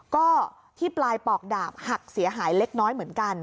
ก็ที่ปลายปอกดาบหักเสียหายเล็กน้อยเหมือนกัน